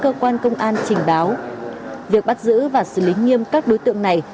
cơ quan công an trình báo việc bắt giữ và xử lý nghiêm các đối tượng này